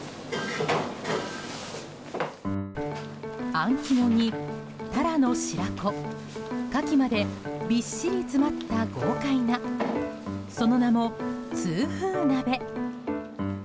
あん肝にタラの白子、カキまでびっしり詰まった豪快なその名も痛風鍋。